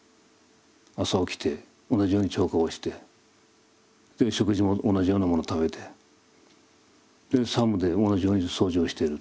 朝起きて同じように朝課をして食事も同じようなもの食べてで作務で同じように掃除をしてる。